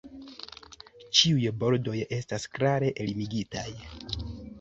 Ĉiuj bordoj estas klare limigitaj.